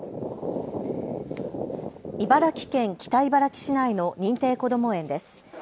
茨城県北茨城市内の認定こども園です。